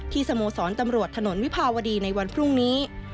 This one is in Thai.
สโมสรตำรวจถนนวิภาวดีในวันพรุ่งนี้